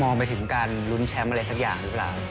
ไปถึงการลุ้นแชมป์อะไรสักอย่างหรือเปล่า